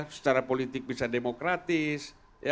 secara politik bisa demokratis